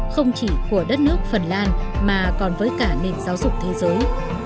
không chỉ của đất nước phần lan mà còn với cả nền giáo dục thế giới